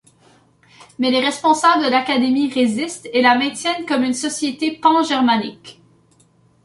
Mais les responsables de l’académie résistent et la maintiennent comme une société pan-germanique.